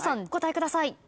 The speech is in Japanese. お答えください。